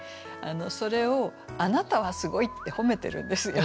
それを「あなたはすごい」って褒めてるんですよ。